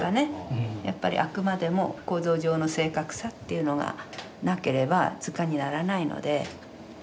やっぱりあくまでも構造上の正確さというのがなければ図鑑にならないので。